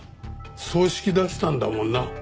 葬式出したんだもんな。